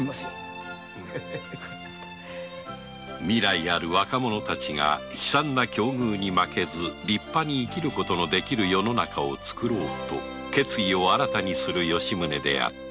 未来ある若者たちが悲惨な境遇に負けず立派に生きることのできる世の中をつくろうと決意を新たにする吉宗であった